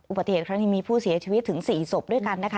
อุบัติเหตุครั้งนี้มีผู้เสียชีวิตถึง๔ศพด้วยกันนะคะ